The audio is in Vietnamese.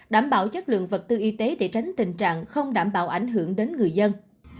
đảm bảo chất lượng vật tư y tế để tránh tình trạng không đảm bảo ảnh hưởng đến người dân